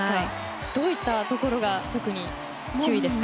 どういったところが特に注意ですか？